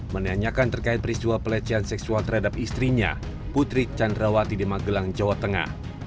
menanyakan terkait peristiwa pelecehan seksual terhadap istrinya putri candrawati di magelang jawa tengah